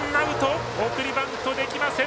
送りバントできません。